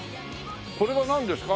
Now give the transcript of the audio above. これはなんですか？